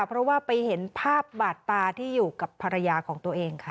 เพราะว่าไปเห็นภาพบาดตาที่อยู่กับภรรยาของตัวเองค่ะ